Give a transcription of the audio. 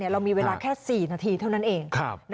เรามีเวลาแค่๔นาทีเท่านั้นเอง